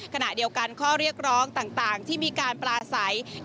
ขณะเดียวกันข้อเรียกร้องต่างที่มีการปลาใส